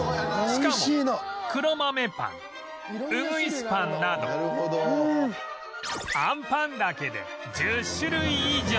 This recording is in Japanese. しかも黒豆ぱんうぐいすぱんなどあんぱんだけで１０種類以上